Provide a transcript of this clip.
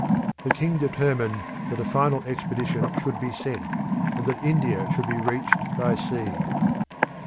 The king determined that a final expedition should be sent, and that India should be reached by sea.